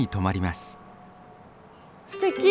すてき！